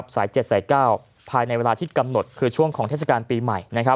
สาย๗สาย๙ภายในเวลาที่กำหนดคือช่วงของเทศกาลปีใหม่